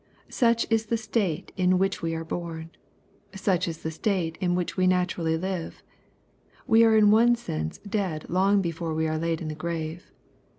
Such is the state in which we are born. Such is the state in which we naturally Uve.. We are in one sense dead long before we are laid in the grave.